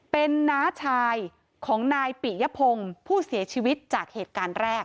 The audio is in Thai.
เป็นน้าชายของนายปิยพงศ์ผู้เสียชีวิตจากเหตุการณ์แรก